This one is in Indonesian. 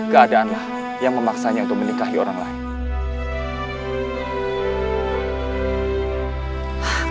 tidak ada yang memaksanya untuk menikahi orang lain